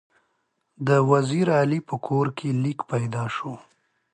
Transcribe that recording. د وزیر علي په کور کې لیک پیدا شو.